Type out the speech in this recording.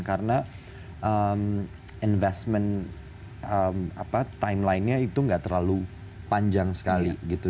karena investment timeline nya itu gak terlalu panjang sekali gitu